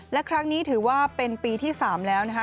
และครั้งนี้ถือว่าเป็นปีที่๓แล้วนะคะ